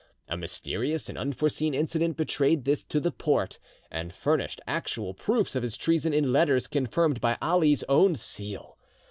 A mysterious and unforeseen incident betrayed this to the Porte, and furnished actual proofs of his treason in letters confirmed by Ali's own seal.